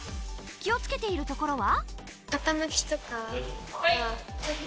気をつけているところは？